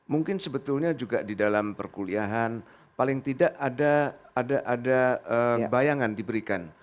mungkin sebetulnya juga di dalam perkuliahan paling tidak ada bayangan diberikan